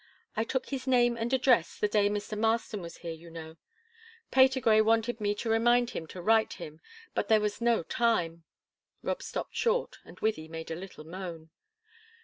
I took his name and address the day Mr. Marston was here, you know; Patergrey wanted me to remind him to write him, but there was no time " Rob stopped short, and Wythie made a little moan.